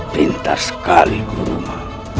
pintar sekali guruma